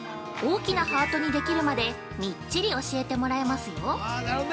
大きなハートにできるまで、みっちり教えてもらえますよ。